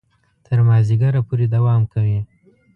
تر مازیګره پورې دوام کوي.